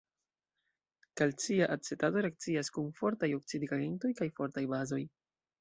Kalcia acetato reakcias kun fortaj oksidigagentoj kaj fortaj bazoj.